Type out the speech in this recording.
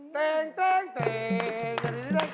เดี๋ยว